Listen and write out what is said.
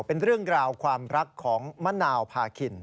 เป็นเรื่องราวความรักของมะนาวพาคิน